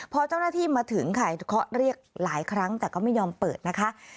พอเจ้าหน้าที่มาถึงค่ะเคาะเรียกหลายครั้งแต่ก็ไม่ยอมเปิดนะคะ